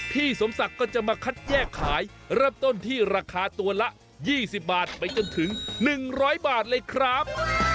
พี่สมศักดิ์ก็จะมาคัดแยกขายเริ่มต้นที่ราคาตัวละ๒๐บาทไปจนถึง๑๐๐บาทเลยครับ